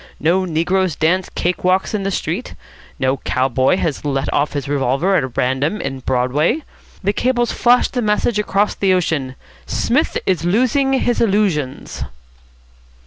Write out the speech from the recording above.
No negroes dance cake walks in the street. No cow boy has let off his revolver at random in Broadway. The cables flash the message across the ocean, 'Psmith is losing his illusions.'"